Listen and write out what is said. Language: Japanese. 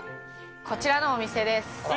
こちらのお店です。